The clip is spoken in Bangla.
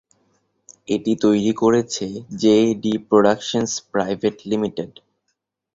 এটি তৈরি করেছে জেডি প্রোডাকশনস প্রাইভেট লিমিটেড।